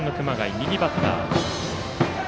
右バッター。